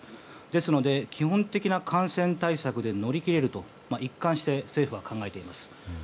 ですので基本的な感染対策で乗り切れると一貫して政府は考えています。